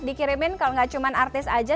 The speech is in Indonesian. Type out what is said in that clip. dikirimin kalau gak cuman artis aja